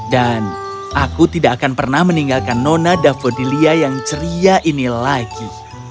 dan aku tidak akan pernah meninggalkan nona davodilia yang ceria ini lagi